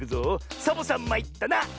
「サボさんまいったな」！